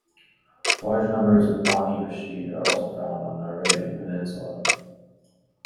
Large numbers of Bani Rasheed are also found on the Arabian Peninsula.